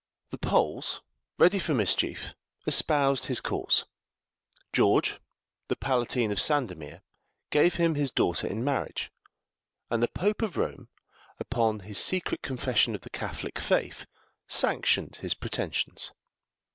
The Poles, ready for mischief, espoused his cause; George, the Palatine of Sandomir, gave him his daughter in marriage, and the Pope of Rome, upon his secret confession of the Catholic faith, sanctioned his pretensions.